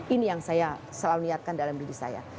ini yang saya selalu niatkan dalam diri saya